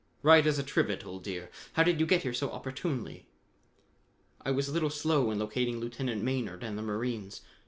"Right as a trivet, old dear. How did you get here so opportunely?" "I was a little slow in locating Lieutenant Maynard and the marines.